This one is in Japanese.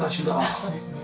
そうですね。